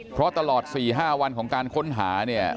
เพราะตลอด๔๕วันของการค้นหาเนี่ย